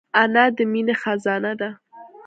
انا د مینې خزانه ده